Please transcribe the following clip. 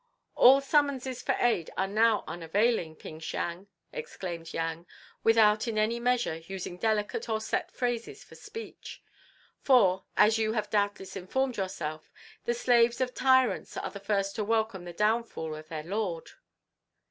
"All summonses for aid are now unavailing, Ping Siang," exclaimed Yang, without in any measure using delicate or set phrases of speech; "for, as you have doubtless informed yourself, the slaves of tyrants are the first to welcome the downfall of their lord."